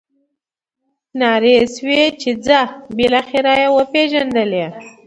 نارې شوې چې ځه بالاخره یې وپېژندلې.